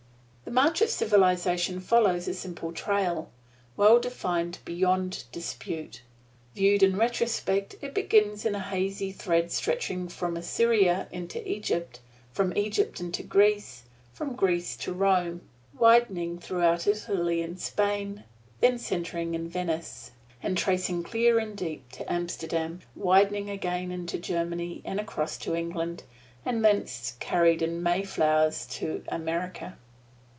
The march of civilization follows a simple trail, well defined beyond dispute. Viewed in retrospect it begins in a hazy thread stretching from Assyria into Egypt, from Egypt into Greece, from Greece to Rome widening throughout Italy and Spain, then centering in Venice, and tracing clear and deep to Amsterdam widening again into Germany and across to England, thence carried in "Mayflowers" to America.